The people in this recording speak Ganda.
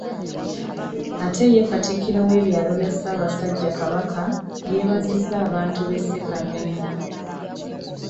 Ate ye Katikkiro w’ebyalo bya Ssaabasajja Kabaka, yeebazizza abantu b’e Ssekanyonyi.